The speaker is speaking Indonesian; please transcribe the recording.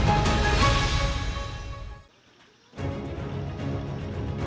kampung kerang hijau diberi kekuatan